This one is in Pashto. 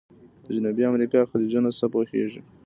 د جنوبي امریکا خلیجونه څه پوهیږئ؟